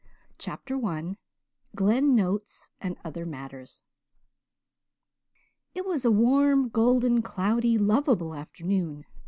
CHAPTER I GLEN "NOTES" AND OTHER MATTERS It was a warm, golden cloudy, lovable afternoon.